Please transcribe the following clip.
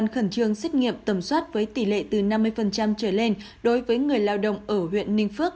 khẩn trương xét nghiệm tầm soát với tỷ lệ từ năm mươi trở lên đối với người lao động ở huyện ninh phước